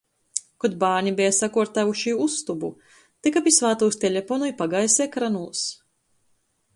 Kod bārni beja sakuortuojuši ustobu, tyka pi svātūs teleponu i pagaisa ekranūs.